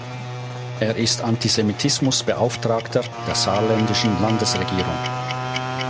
Er ist Antisemitismus-Beauftragter der saarländischen Landesregierung.